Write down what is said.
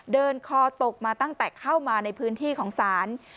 คอตกมาตั้งแต่เข้ามาในพื้นที่ของศาล